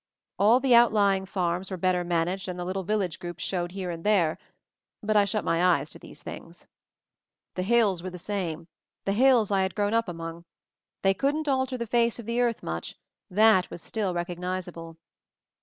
All the outly ing farms were better managed and the little village groups showed here and there — but I shut my eyes to these things. The hills were the same — the hills I had grown up among. They couldn't alter the face of the earth much — that was still recog nizable.